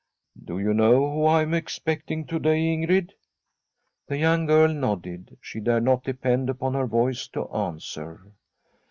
* Do you know whom I am expecting to day, Ingrid?' The young girl nodded ; she dared not depend upon her voice to answer.